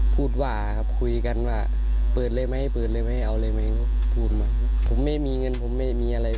พูดว่าผมไม่มีเงินผมไม่มีอะไร